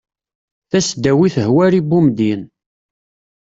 tasdawit hwari bumedyen